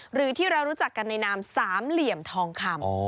หรือที่เรารู้จักกันในนามสามเหลี่ยมทองคำ